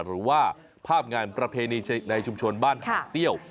หรือว่าภาพงานประเพณีในชุมชนบ้านหาดเซี่ยว